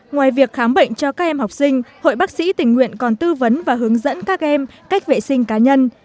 ngoài việc khám bệnh cho các em học sinh hội bác sĩ tình nguyện còn tư vấn và hướng dẫn các em cách vệ sinh cá nhân